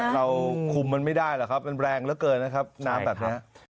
เราคุมมันไม่ได้หรอกครับมันแรงเหลือเกินนะครับน้ำแบบนี้